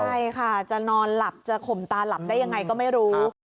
ใช่ค่ะจะนอนหลับจะข่มตาหลับได้ยังไงก็ไม่รู้